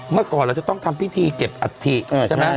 เมื่อก่อนเราจะต้องทำพิธีเก็บอัฐิใช่ไหม